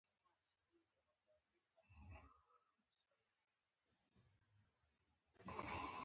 پاچا د خلکو څخه مشوره نه اخلي .